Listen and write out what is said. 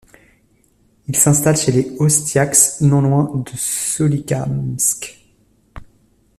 Il s'installe chez les Ostiaks, non loin de Solikamsk.